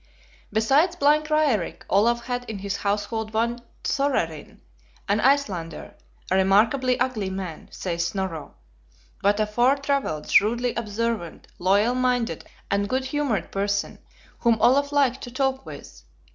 Besides blind Raerik, Olaf had in his household one Thorarin, an Icelander; a remarkably ugly man, says Snorro, but a far travelled, shrewdly observant, loyal minded, and good humored person, whom Olaf liked to talk with.